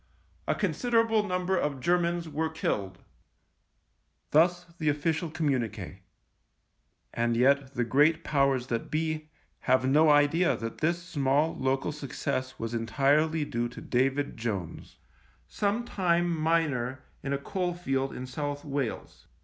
A consider able number of Germans were killed." Thus the official communique. And yet the great powers that be have no idea that this small local success was en tirely due to David Jones — sometime miner in a coal field in South Wales.